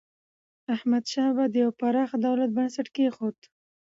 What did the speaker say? احمدشاه بابا د یو پراخ دولت بنسټ کېښود.